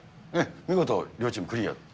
見事、両チームクリアと。